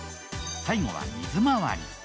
最後は水まわり。